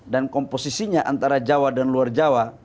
dan komposisinya antara jawa dan luar jawa